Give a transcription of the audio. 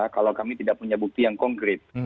kalau kami tidak punya bukti yang konkret